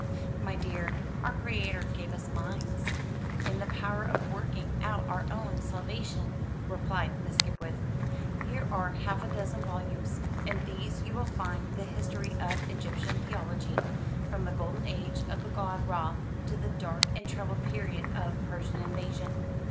"My dear, our Creator gave us minds, and the power of working out our own salvation," replied Miss Skipwith. "Here are half a dozen volumes. In these you will find the history of Egyptian theology, from the golden age of the god Râ to the dark and troubled period of Persian invasion.